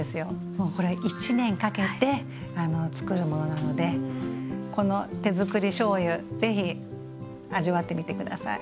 もうこれは１年かけてつくるものなのでこの手づくりしょうゆぜひ味わってみて下さい。